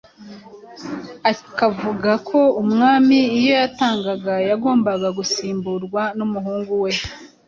ikavuga ko umwami iyo yatangaga yagombaga gusimburwa n’umuhungu we,